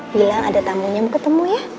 bilang ada tamunya mau ketemu ya